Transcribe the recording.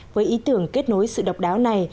với ý tưởng kết nối sự độc đáo này